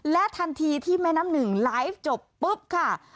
และทันทีที่แม่น้ำหนึ่งไลฟ์จบปุ๊บค่ะ